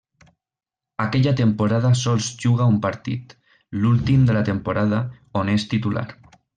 Aquella temporada sols juga un partit, l'últim de la temporada, on és titular.